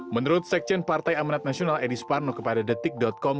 menurut sekjen partai amanat nasional edis parno kepada detik com